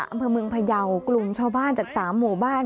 อำเภอเมืองพยาวกลุ่มชาวบ้านจากสามหมู่บ้าน